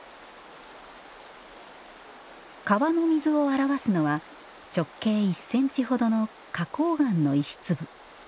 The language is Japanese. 川の水を表すのは直径１センチほどの花崗岩の石粒。